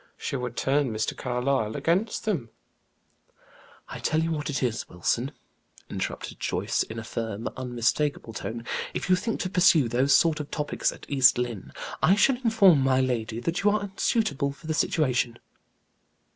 She would turn Mr. Carlyle against them " "I tell you what it is, Wilson," interrupted Joyce, in a firm, unmistakable tone, "if you think to pursue those sort of topics at East Lynne, I shall inform my lady that you are unsuitable for the situation."